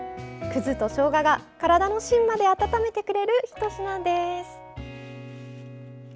くずとしょうがが体の芯まで温めてくれるひと品です。